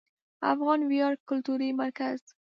افغان ویاړ کلتوري مرکز